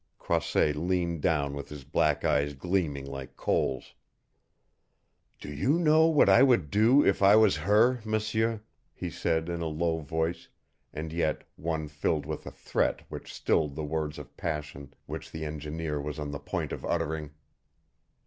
Croisset leaned down with his black eyes gleaming like coals. "Do you know what I would do if I was her, M'seur?" he said in a low voice, and yet one filled with a threat which stilled the words of passion which the engineer was on the point of uttering.